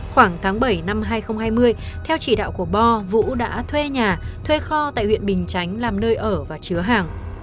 khoảng tháng bảy năm hai nghìn hai mươi theo chỉ đạo của bo vũ đã thuê nhà thuê kho tại huyện bình chánh làm nơi ở và chứa hàng